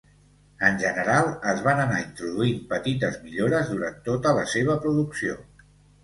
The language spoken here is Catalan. En general es van anar introduint petites millores durant tota la seva producció.